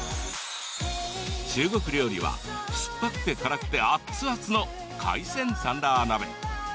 中国料理は酸っぱくて辛くて熱々の海鮮サンラー鍋。